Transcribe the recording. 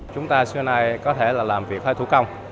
chúng ta xưa nay có thể là làm việc hay thủ công